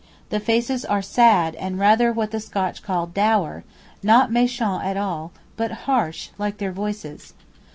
The faces are all sad and rather what the Scotch call 'dour,' not méchant at all, but harsh, like their voices.